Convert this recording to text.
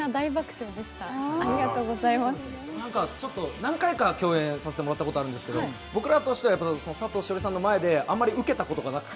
何回か共演させてもらったことがあるんですけど、僕らとしては佐藤栞里さんの前であんまりウケたことがなくて。